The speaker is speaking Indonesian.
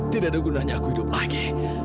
tidak ada gunanya aku hidup lagi